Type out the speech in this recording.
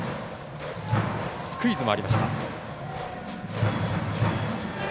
スクイズもありました。